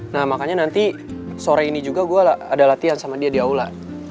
nah makanya nanti sore ini juga gue ada latihan sama dia di aula